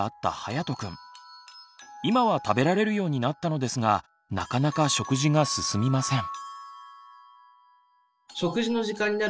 今は食べられるようになったのですがなかなか食事が進みません。